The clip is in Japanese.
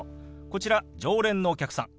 こちら常連のお客さん。